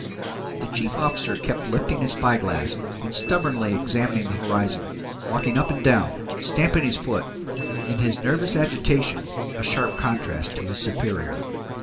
The chief officer kept lifting his spyglass and stubbornly examining the horizon, walking up and down, stamping his foot, in his nervous agitation a sharp contrast to his superior.